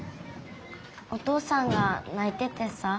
お父さんがないててさ。